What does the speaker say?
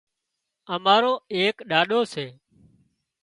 امارو ايڪ ڏاڏو سي